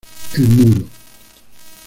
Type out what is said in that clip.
El Muro.